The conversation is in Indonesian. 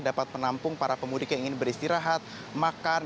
dapat menampung para pemudik yang ingin beristirahat makan